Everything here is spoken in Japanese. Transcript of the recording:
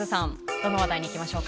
どの話題に行きましょうか？